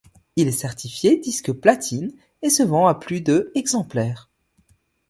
Il est certifié disque platine et se vend à plus de exemplaires.